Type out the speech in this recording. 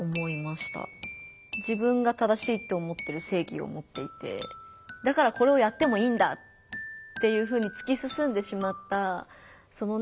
自分が正しいって思ってる正義を持っていてだからこれをやってもいいんだっていうふうにつきすすんでしまったそのね